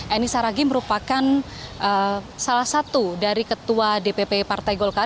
eni saragi merupakan salah satu dari ketua dpp partai golkar